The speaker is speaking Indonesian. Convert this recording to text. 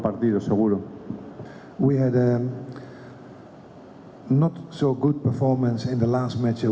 kita tidak melakukan pertandingan yang bagus di pertandingan terakhir